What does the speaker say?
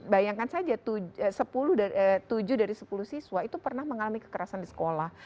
bayangkan saja tujuh dari sepuluh siswa itu pernah mengalami kekerasan di sekolah